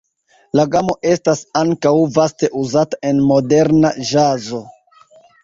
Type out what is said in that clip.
La gamo estas ankaŭ vaste uzata en moderna ĵazo.